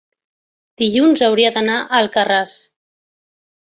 dilluns hauria d'anar a Alcarràs.